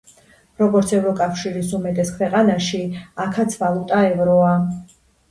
როგორც ევროკავშირის უმეტეს ქვეყანაში, აქაც ვალუტა ევროა.